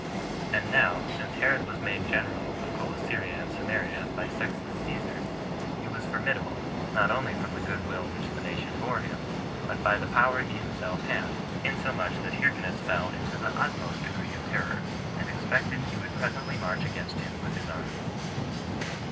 And now, since Herod was made general of Coelesyria and Samaria by Sextus Caesar, he was formidable, not only from the good will which the nation bore him, but by the power he himself had; insomuch that Hyrcanus fell into the utmost degree of terror, and expected he would presently march against him with his army.